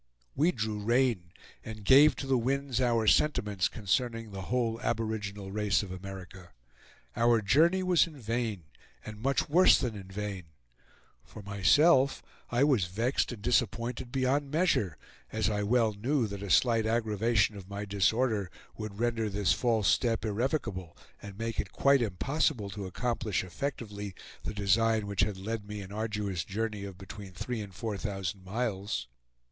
We drew rein and gave to the winds our sentiments concerning the whole aboriginal race of America. Our journey was in vain and much worse than in vain. For myself, I was vexed and disappointed beyond measure; as I well knew that a slight aggravation of my disorder would render this false step irrevocable, and make it quite impossible to accomplish effectively the design which had led me an arduous journey of between three and four thousand miles.